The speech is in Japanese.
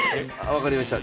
分かりました。